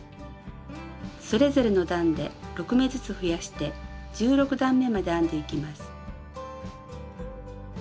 それぞれの段で６目ずつ増やして１６段めまで編んでいきます。